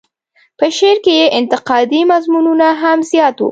په شعر کې یې انتقادي مضمونونه هم زیات وو.